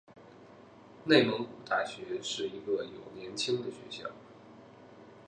内蒙古大学是一个有年轻的学校。